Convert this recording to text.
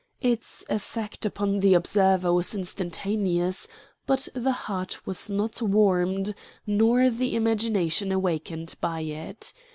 Its effect upon the observer was instantaneous, but the heart was not warmed nor the imagination awakened by it.